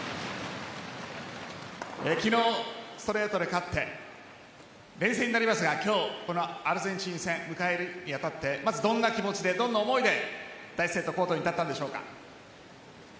昨日、ストレートで勝って連戦になりましたが今日アルゼンチン戦を迎えるにあたってどんな気持ちでどんな思いで第１セットコートに立ちましたか。